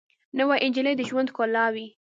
نوې نجلۍ د ژوند ښکلا وي